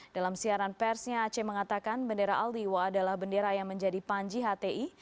dalam siaran persnya aceh mengatakan bendera aldiwa adalah bendera yang menjadi panji hti